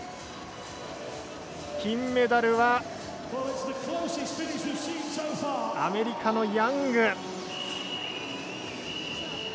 金メダルはアメリカのヤング。